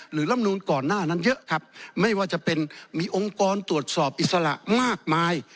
ลำนูนก่อนหน้านั้นเยอะครับไม่ว่าจะเป็นมีองค์กรตรวจสอบอิสระมากมาย